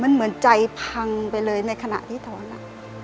มันเหมือนใจพังไปเลยในขณะที่ถอน